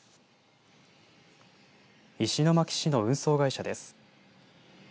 石巻市の運送会社です。